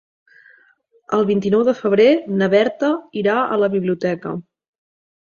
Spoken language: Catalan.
El vint-i-nou de febrer na Berta irà a la biblioteca.